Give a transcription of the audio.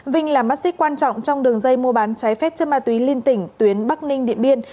vinh là mắt xích quan trọng trong đường dây mua bán trái phép chất ma túy liên tỉnh tuyến bắc ninh điện biên